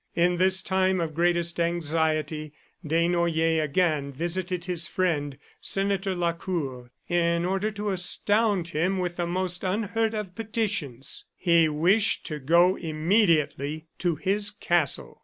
In this time of greatest anxiety, Desnoyers again visited his friend, Senator Lacour, in order to astound him with the most unheard of petitions. He wished to go immediately to his castle.